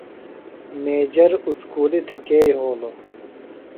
میجر اُسکُلیۡ تھےۡ کے یھولوۡ؟